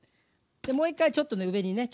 でもう一回ちょっと上にね